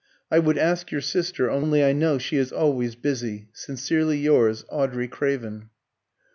I would ask your sister, only I know she is always busy. Sincerely yours, "AUDREY CRAVEN."